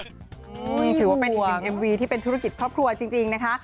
นี่ถือว่าเป็นอีกหนึ่งเอ็มวีที่เป็นธุรกิจครอบครัวจริงนะคะ